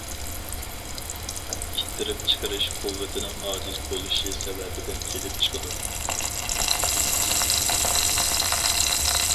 ئىتتىرىپ چىقىرىش قۇۋۋىتىنىڭ ئاجىز بولۇشى سەۋەبىدىن كېلىپ چىقىدۇ.